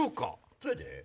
そうやで。